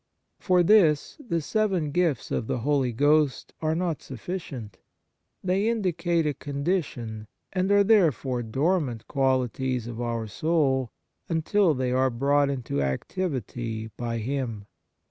iFor this the seven gifts of the Holy Ghost 107 THE MARVELS OF DIVINE GRACE are not sufficient; they indicate a con dition, and are therefore dormant qualities of our soul till they are brought into activity by Him.